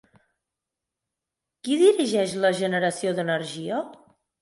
Qui dirigeix la generació d'energia?